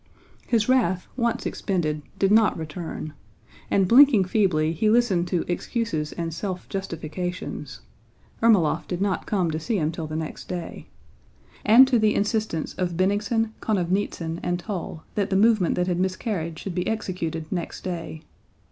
His wrath, once expended, did not return, and blinking feebly he listened to excuses and self justifications (Ermólov did not come to see him till the next day) and to the insistence of Bennigsen, Konovnítsyn, and Toll that the movement that had miscarried should be executed next day.